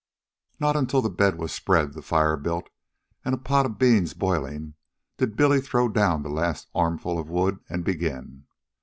Not until the bed was spread, the fire built, and a pot of beans boiling did Billy throw down the last armful of wood and begin.